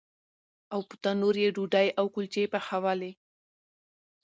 او په تنور یې ډوډۍ او کلچې پخولې.